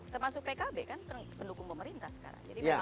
termasuk pkb kan pendukung pemerintah sekarang